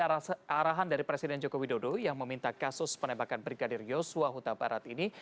arah arah dari presiden joko widodo yang meminta kasus penembakan brigadir yosua hutabarat ini